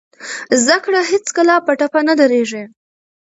زده کړه هېڅکله په ټپه نه دریږي.